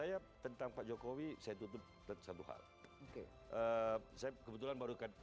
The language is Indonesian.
jadi lapasan ke rdotta bisa kita lihat